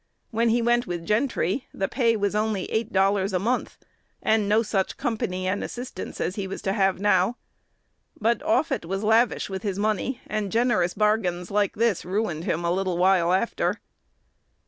When he went with Gentry, the pay was only eight dollars a month, and no such company and assistance as he was to have now. But Offutt was lavish with his money, and generous bargains like this ruined him a little while after.